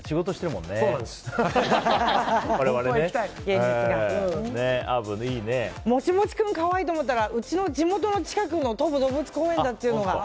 もちもち君可愛いと思ったらうちの地元の近くの東武動物公園だっていうのが。